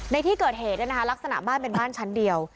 ในที่เกิดเหตุลักษณะบ้านเป็นบ้านชั้นเดียว